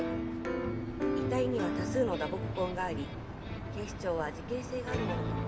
遺体には多数の打撲痕があり警視庁は事件性があるものとみて。